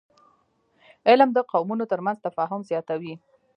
علم د قومونو ترمنځ تفاهم زیاتوي